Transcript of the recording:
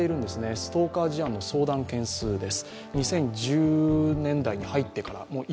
ストーカー事案の相談件数です。